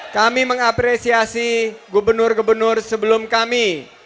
kami mengapresiasi gubernur gubernur sebelum kami